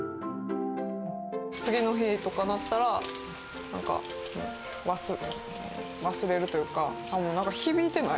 次の日とかになったら、なんか、忘れるというか、もうなんか、響いてない。